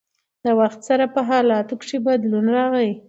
د وخت سره په حالاتو کښې بدلون راغی